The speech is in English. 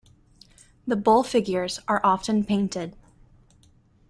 The bull figures are often painted.